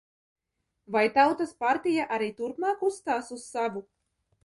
Vai Tautas partija arī turpmāk uzstās uz savu?